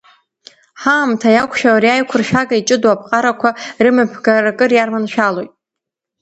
Ҳаамҭа иақәшәо ари аиқәыршәага иҷыдоу аԥҟарақәа рымҩаԥгара акыр иарманшәалоит.